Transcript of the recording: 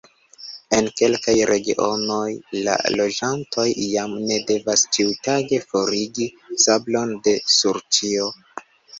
En kelkaj regionoj, la loĝantoj jam ne devas ĉiutage forigi sablon de sur ĉio.